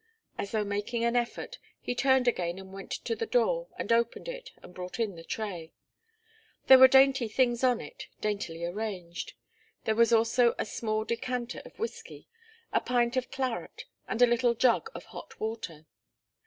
As though making an effort, he turned again and went to the door and opened it and brought in the tray. There were dainty things on it, daintily arranged. There was also a small decanter of whiskey, a pint of claret and a little jug of hot water.